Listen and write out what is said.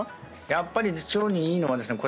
やっぱり腸にいいのはですね